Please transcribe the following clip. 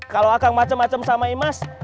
kalau akang macem macem sama imas